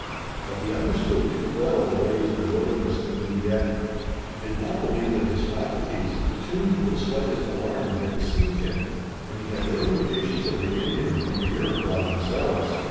But he understood too well the ways of the wilderness to move yet. He did not believe that his faculties, attuned to the slightest alarm, had deceived him, and he had learned the patience of the Indian from the Iroquois themselves.